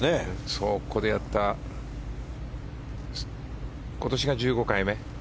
そこでやった今年が１５回目。